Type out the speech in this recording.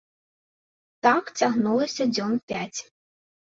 Так цягнулася дзён пяць.